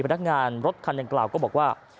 พนักงานรถคันดังกล่าวก็บอกว่า